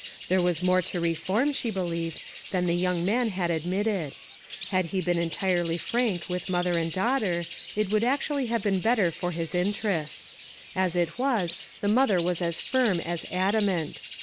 There was more to reform, she believed, than the young man had admitted. Had he been en tirely frank with mother and daughter, it would actually have been better for his interests. As it was, the mother was as firm as adamant.